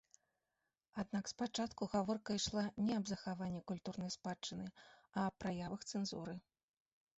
Аднак спачатку гаворка ішла не аб захаванні культурнай спадчыны, а аб праявах цэнзуры.